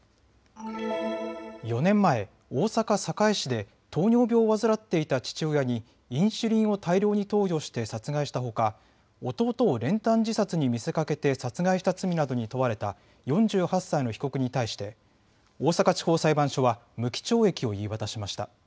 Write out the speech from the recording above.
４年前、大阪堺市で糖尿病を患っていた父親にインシュリンを大量に投与して殺害したほか弟を練炭自殺に見せかけて殺害した罪などに問われた４８歳の被告に対して大阪地方裁判所は無期懲役を言い渡しました。